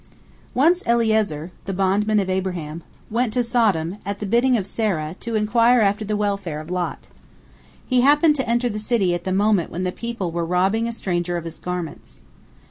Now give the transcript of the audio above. Once Eliezer, the bondman of Abraham, went to Sodom, at the bidding of Sarah, to inquire after the welfare of Lot. He happened to enter the city at the moment when the people were robbing a stranger of his garments.